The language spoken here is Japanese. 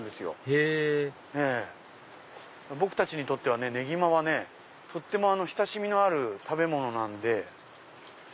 へぇ僕たちにとってねぎまはとっても親しみのある食べ物で。